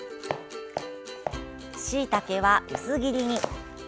しいたけは薄切りに。